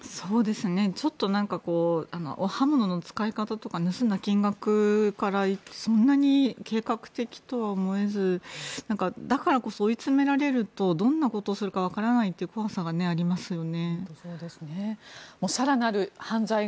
ちょっと刃物の使い方とか盗んだ金額からするとそんなに計画的とは思えずだからこそ追いつめられるとどんなことするかわからないという怖さがありますよね。